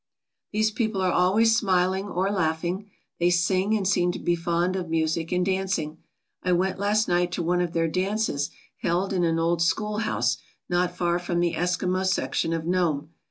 These people are always smiling or laughing. They sing, and seem to be fond of music and dancing. I went last night to one of their dances held in an old schoolhouse not far from the Eskimo section of Nome.